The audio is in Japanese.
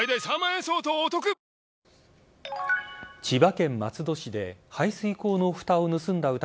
千葉県松戸市で排水溝のふたを盗んだ